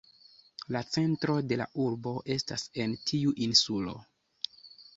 La centro de la urbo estas en tiu insulo.